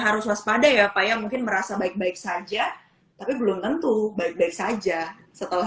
harus waspada ya pak ya mungkin merasa baik baik saja tapi belum tentu baik baik saja setelah